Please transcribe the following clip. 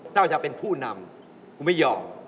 เจ้าชาตาเป็นผู้นำคุณไม่ยอม